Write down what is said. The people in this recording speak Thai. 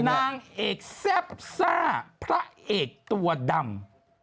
นางเอกแซ่บซ่าพระเอกตัวดำ